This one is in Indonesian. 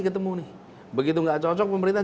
ketemu nih begitu nggak cocok pemerintah